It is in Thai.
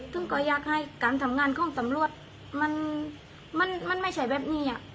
ซึ่งก็อยากให้การทำงานของตำรวจมันไม่ใช่แบบนี้